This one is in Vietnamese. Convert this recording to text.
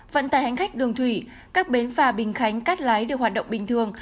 vận tải hành khách đường thủy các bến phà bình khánh cát lái đều hoạt động bình thường